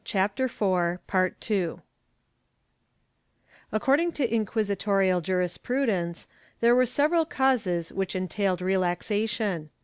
"^ According to inquisitorial jurisprudence, there were several causes which entailed relaxation.